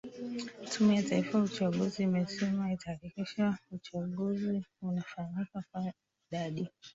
tume ya taifa uchaguzi imesema itahakikisha uchaguzi unafanyika kwani idadi